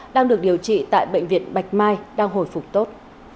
đang được điều trị tại bệnh viện bạch mai đang hồi phục tốt